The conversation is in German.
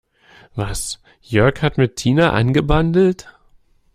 Was, Jörg hat mit Tina angebandelt?